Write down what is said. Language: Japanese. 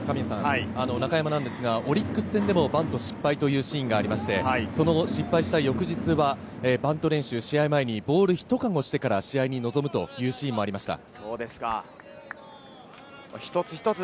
中山なんですが、オリックス戦でもバント失敗というシーンがありまして、その後、失敗した翌日はバント練習、試合前にボール１カゴ分してから、試合に臨むというシーンもありました。